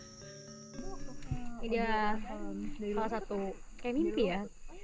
ini dia salah satu kayak mimpi ya